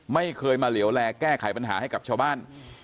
ไม่เคยมาเหลวแลแก้ไขปัญหาให้กับชาวบ้าน